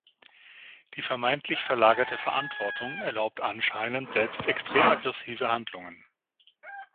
Die vermeintlich verlagerte Verantwortung erlaubt anscheinend selbst extrem aggressive Handlungen.